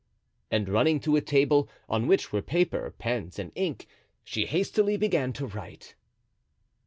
And running to a table, on which were paper, pens and ink, she hastily began to write.